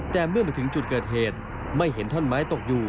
แต่เมื่อมาถึงจุดเกิดเหตุไม่เห็นท่อนไม้ตกอยู่